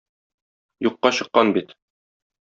Юкка чыккан бит!